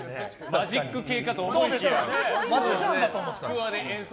マジック系かと思いきや。